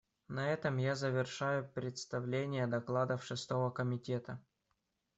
На этом я завершаю представление докладов Шестого комитета.